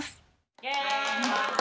イェーイ！